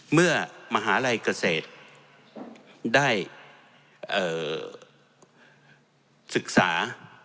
เมื่อมหาลัยเกษตรได้ศึกษา